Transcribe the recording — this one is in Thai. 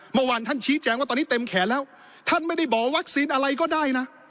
เมื่อวานท่านชี้แจงว่าตอนนี้เต็มแขนแล้วท่านไม่ได้บอกวัคซีนอะไรก็ได้นะ